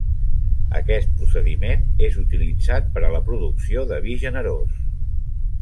Aquest procediment és utilitzat per a la producció de vi generós.